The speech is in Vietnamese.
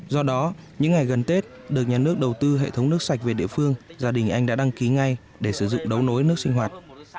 do đó những ngày gần tết được nhà nước đầu tư hệ thống nước sạch về địa phương gia đình anh đã đăng ký ngay để sử dụng đấu nối nước sinh hoạt